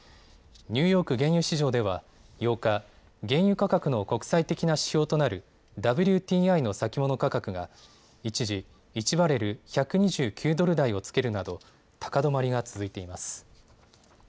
ニューヨーク原油市場では８日、原油価格の国際的な指標となるＷＴＩの先物価格が一時、１バレル１２９ドル台をつけるなど高止まりが続いています。